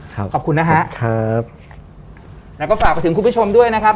ขอบคุณนะฮะครับแล้วก็ฝากไปถึงคุณผู้ชมด้วยนะครับ